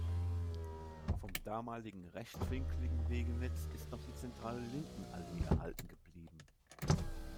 Vom damaligen rechtwinkligen Wegenetz ist noch die zentrale Lindenallee erhalten geblieben.